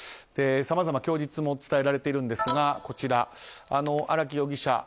さまざまな供述も伝えられているんですが荒木容疑者